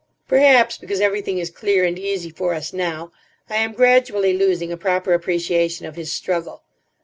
Perhaps, because everything is clear and easy for us now, I am gradually losing a proper appreciation of his struggle.